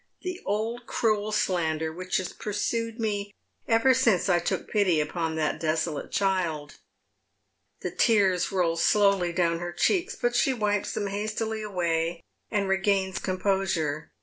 The old cruel slander which has pursued me ever since I took pity upon that desolate child." The tears roll slowly down her cheeks, but she wipes them hastily away and regains composure.